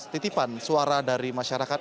titipan suara dari masyarakat